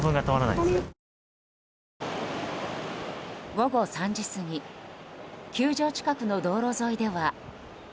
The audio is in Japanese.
午後３時過ぎ球場近くの道路沿いでは。